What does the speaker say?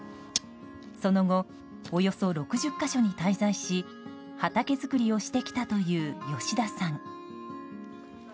その後、およそ６０か所に滞在し畑作りをしてきたという吉田さん。